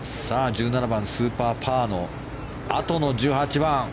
１７番スーパーパーのあとの１８番。